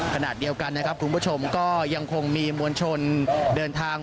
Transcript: ขณะเดียวกันนะครับคุณผู้ชมก็ยังคงมีมวลชนเดินทาง